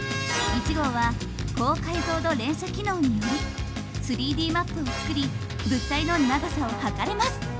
１号は高解像度連写機能により３Ｄマップを作り物体の長さを測れます。